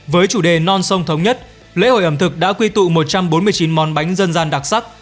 với chủ đề non sông thống nhất lễ hội ẩm thực đã quy tụ một trăm bốn mươi chín món bánh dân gian đặc sắc